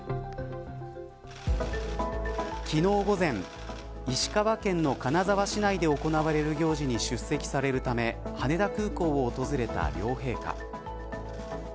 昨日午前、石川県の金沢市内で行われる行事に出席されるため羽田空港を訪れた両陛下。